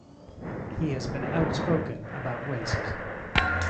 He has been outspoken about racism.